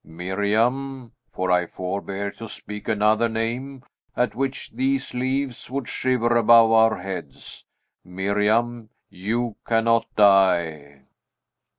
Miriam, for I forbear to speak another name, at which these leaves would shiver above our heads, Miriam, you cannot die!"